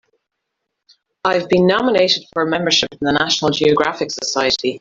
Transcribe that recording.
I've been nominated for membership in the National Geographic Society.